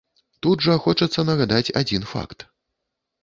Тут жа хочацца нагадаць адзін факт.